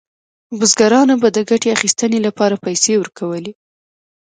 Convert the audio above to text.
بزګرانو به د ګټې اخیستنې لپاره پیسې ورکولې.